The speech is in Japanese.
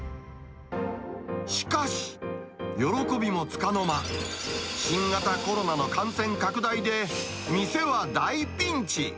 しかし、喜びもつかの間、新型コロナの感染拡大で、店は大ピンチ。